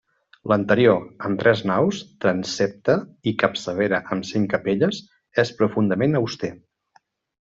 L'interior, amb tres naus, transsepte i capçalera amb cinc capelles, és profundament auster.